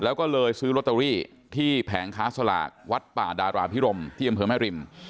แล้วก็เลยซื้อลอตเตอรี่ที่แผงค้าสลากวัดป่าดาราพิรมที่อำเภอแม่ริม